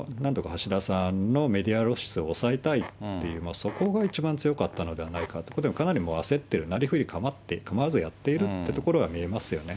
非常になんとか橋田さんのメディア露出を抑えたいと、そこが一番強かったのではないかということで、かなり焦って、なりふり構わずやっているっていうところが見えますよね。